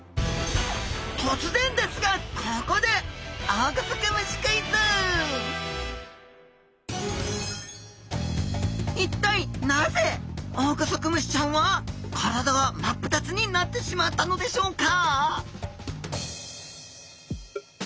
突然ですがここで一体なぜオオグソクムシちゃんは体が真っ二つになってしまったのでしょうか？